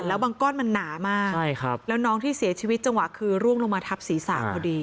แล้วบางก้อนมันหนามากใช่ครับแล้วน้องที่เสียชีวิตจังหวะคือร่วงลงมาทับศีรษะพอดี